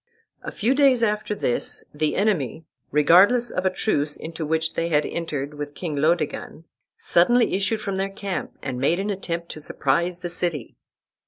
A few days after this, the enemy, regardless of a truce into which they had entered with King Laodegan, suddenly issued from their camp and made an attempt to surprise the city.